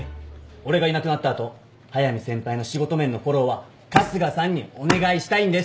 俺がいなくなった後速見先輩の仕事面のフォローは春日さんにお願いしたいんです！